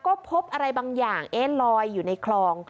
ก็พบอะไรบางอย่างเอ๊ะลอยอยู่ในคลอง